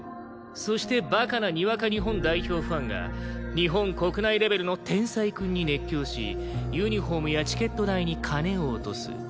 そしてバカなにわか日本代表ファンが日本国内レベルの天才くんに熱狂しユニホームやチケット代に金を落とす。